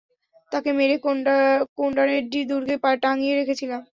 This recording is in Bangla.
তাকে মেরে কোন্ডারেড্ডি দুর্গে টাঙিয়ে রেখেছিলাম।